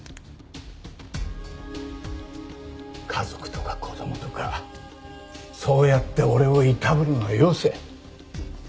家族とか子供とかそうやって俺をいたぶるのはよせ。